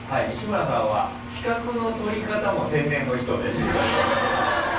西村さんは資格の取り方も天然の人です。